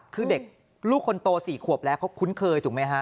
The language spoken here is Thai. คือเด็กลูกคนโต๔ขวบแล้วเขาคุ้นเคยถูกไหมฮะ